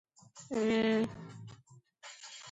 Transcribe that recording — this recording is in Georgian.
პირის ორგანოები რედუცირებულია.